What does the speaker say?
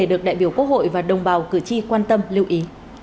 được đại biểu quốc hội và đồng bào cử tri quan tâm lưu ý